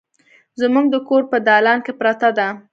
زموږ د کور په دالان کې پرته ده